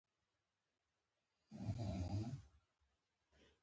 احمد لونګۍ نه پر سروي.